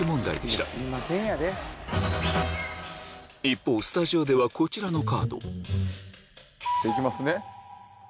一方スタジオではこちらのカード行きますね。